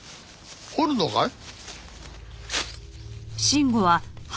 掘るのかい？